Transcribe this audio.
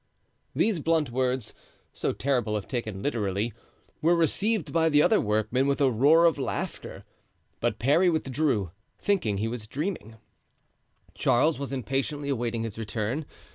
These blunt words, so terrible if taken literally, were received by the other workmen with a roar of laughter. But Parry withdrew, thinking he was dreaming. Charles was impatiently awaiting his return.